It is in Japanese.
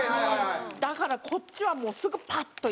だからこっちはもうすぐパッといけるんで。